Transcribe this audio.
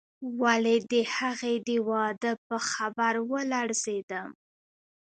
ولې د هغې د واده په خبر ولړزېدم.